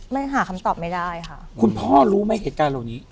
หาคำตอบไม่ได้ค่ะคุณพ่อรู้ไหมเหตุการณ์เหล่านี้